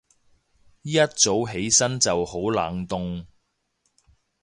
一早起身就好冷凍